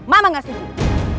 mama gak sendiri